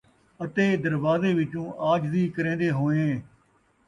اَتے دَروازے وِچوں عاجزی کریندیں ہوئیں